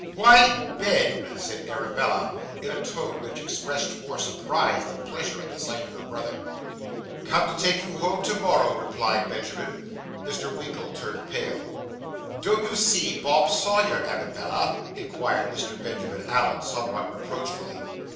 'Why, Ben!' said Arabella, in a tone which expressed more surprise than pleasure at the sight of her brother. 'Come to take you home to morrow,' replied Benjamin. Mr. Winkle turned pale. 'Don't you see Bob Sawyer, Arabella?' inquired Mr. Benjamin Allen, somewhat reproachfully.